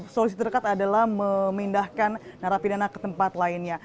solusi terdekat adalah memindahkan narapidana ke tempat lainnya